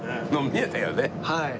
はい。